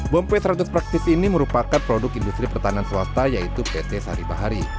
bom p seratus praxis ini merupakan produk industri pertanian swasta yaitu pt sari bahari